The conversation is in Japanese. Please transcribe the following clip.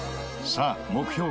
さあ目標